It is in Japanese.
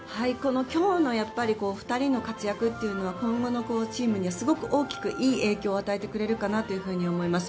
今日の２人の活躍というのは今後のチームには、すごく大きくいい影響を与えてくれるかなと思います。